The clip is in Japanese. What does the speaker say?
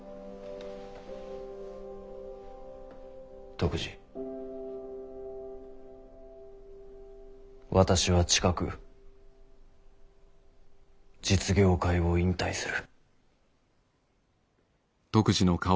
篤二私は近く実業界を引退する。